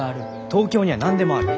東京には何でもある。